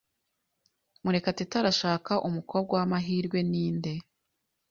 "Murekatete arashaka." "Umukobwa w'amahirwe ni nde?"